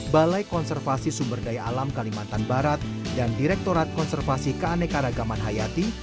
balai konservasi sumber daya alam kalimantan barat dan direktorat konservasi keanekaragaman hayati